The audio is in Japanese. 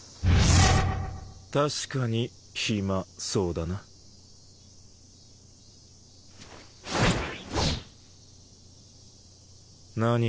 確かに暇そうだな何？